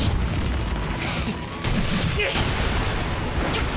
よっ！